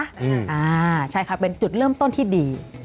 อ่าใช่ค่ะเป็นจุดเริ่มต้นที่ดี